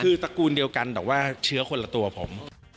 คือตระกูลเดียวกันแต่ว่าเชื้อคนละตัวผม